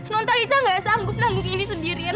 nontalita gak sanggup nanggung ini sendirian